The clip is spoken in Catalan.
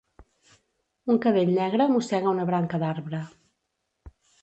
Un cadell negre mossega una branca d'arbre.